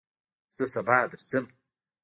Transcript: زه سبا درځم